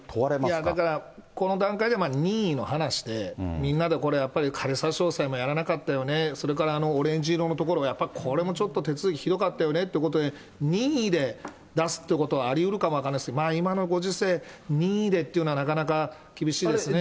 いや、だからこの段階で、任意の話で、みんなで、これやっぱり仮差し押さえもやらなかったよね、それから、オレンジ色のところ、やっぱり、これもちょっと手続きひどかったよねということで、任意で出すっていうことは、ありうるかも分からないんですけど、まあ、今のご時世、任意でっていうのは、なかなか厳しいですね。